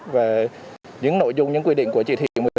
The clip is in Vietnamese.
về những nội dung những quy định của chỉ thị một mươi sáu